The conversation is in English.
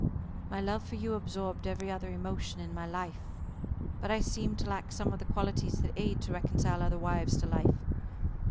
"My love for you absorbed every other emotion of my life. But I seemed to lack some of the qualities that aid to reconcile other wives to life.